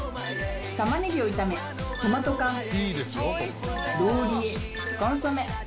玉ねぎを炒めトマト缶ローリエコンソメ。